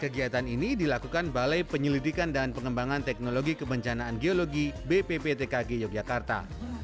kegiatan ini dilakukan balai penyelidikan dan pengembangan teknologi kebencanaan geologi bpptkg yogyakarta